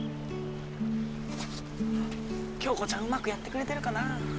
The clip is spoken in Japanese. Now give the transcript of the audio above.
響子ちゃんうまくやってくれてるかなぁ。